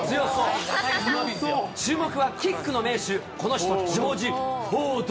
注目はキックの名手、この人、ジョージ・フォード。